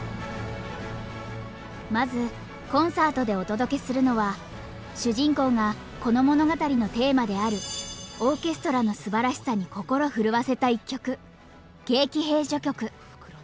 まずコンサートでお届けするのは主人公がこの物語のテーマであるオーケストラのすばらしさに心震わせた１曲。